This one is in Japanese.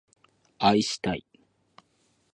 愛したい